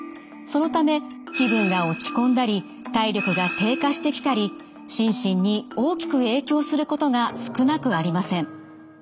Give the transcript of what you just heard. そのため気分が落ち込んだり体力が低下してきたり心身に大きく影響することが少なくありません。